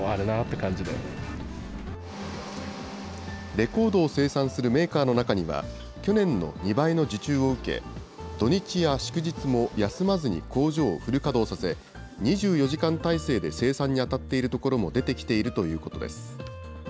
レコードを生産するメーカーの中には、去年の２倍の受注を受け、土日や祝日も休まずに工場をフル稼働させ、２４時間体制で生産に当たっているところも出てきているというこ